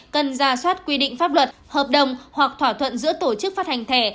cần ra soát quy định pháp luật hợp đồng hoặc thỏa thuận giữa tổ chức phát hành thẻ